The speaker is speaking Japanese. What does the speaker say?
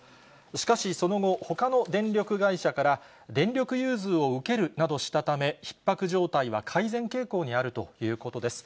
しかし、その後、ほかの電力会社から、電力融通を受けるなどしたため、ひっ迫状態は改善傾向にあるということです。